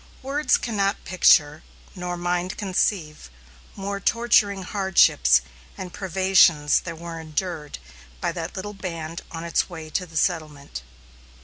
Words cannot picture, nor mind conceive, more torturing hardships and privations than were endured by that little band on its way to the settlement.